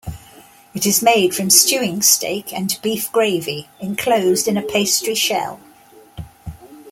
It is made from stewing steak and beef gravy, enclosed in a pastry shell.